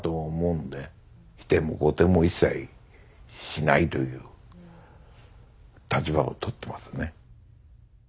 否定も肯定も一切しないという立場をとってますね。